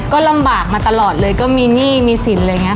ก็ลำบากมาตลอดเลยก็มีหนี้มีสินเลยไงค่ะ